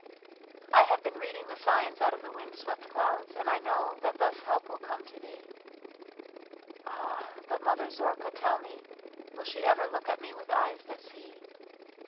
"I have been reading the signs out of the wind swept clouds, and I know that thus help will come to thee." "Ah, but, Mother Zorka, tell me, will she ever look at me with eyes that see?"